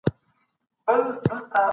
د مېوو استعمال ډېر اړین دی.